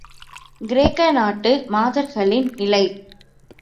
கிரேக்க நாட்டு மாதர்களின் நிலை.